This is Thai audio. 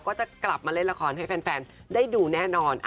ก็จะกลับมาเล่นละครให้แฟนได้ดูแน่นอน